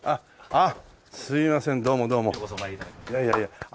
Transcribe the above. あっ。